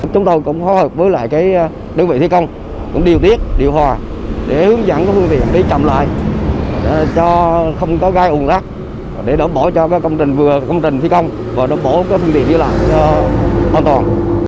chúng tôi cũng phối hợp với đơn vị thi công cũng điều tiết điều hòa để hướng dẫn phương tiện đi chậm lại cho không có gai ủng rắc để đổ bỏ cho công trình vừa công trình thi công và đổ bỏ phương tiện đi lại cho an toàn